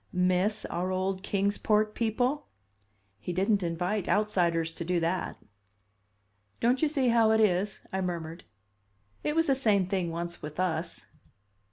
"Miss our old Kings Port people?" He didn't invite outsiders to do that! "Don't you see how it is?" I murmured. "It was the same thing once with us."